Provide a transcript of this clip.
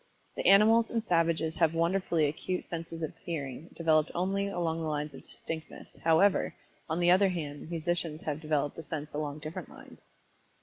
The animals and savages have wonderfully acute senses of Hearing developed only along the lines of distinctness, however on the other hand musicians have developed the sense along different lines.